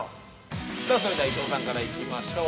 ◆さあ、それでは伊藤さんから行きましょう。